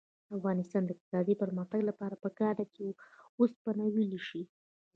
د افغانستان د اقتصادي پرمختګ لپاره پکار ده چې اوسپنه ویلې شي.